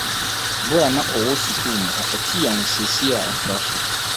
Bere a na ɔwɔ sukuu no ɔkwatii ahosiesie a ɛtra so.